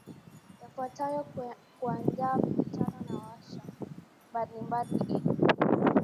yafuatayo Kuandaa mikutano na warsha mbalimbali ili